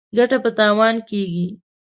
ګټه په تاوان کېږي.